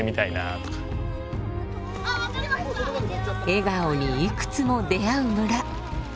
笑顔にいくつも出会う村。